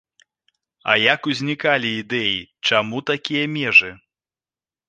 А як узнікалі ідэя, чаму такія межы?